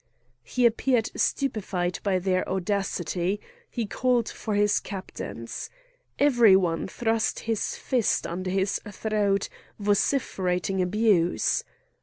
He appeared stupefied by their audacity; he called for his captains. Every one thrust his fist under his throat, vociferating abuse.